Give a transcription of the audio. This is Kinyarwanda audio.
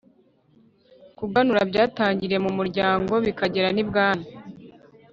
Kuganura byatangiriraga mu muryango bikagera n’ibwami,